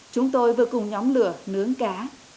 chúng tôi vừa cùng nhóm lửa nướng cá